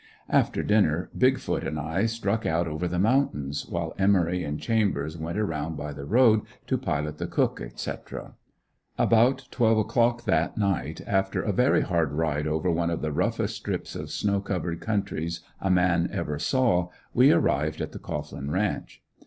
After dinner "Big foot" and I struck out over the mountains, while Emory and Chambers went around by the road to pilot the cook, etc. About twelve o'clock that night, after a very hard ride over one of the roughest strips of snow covered countries a man ever saw, we arrived at the Cohglin ranch.